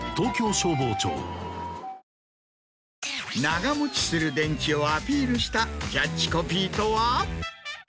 長持ちする電池をアピールしたキャッチコピーとは？